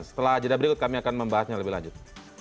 setelah jeda berikut kami akan membahasnya lebih lanjut